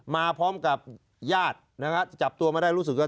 มาพร้อมกับญาตินะฮะจับตัวมาได้รู้สึกว่า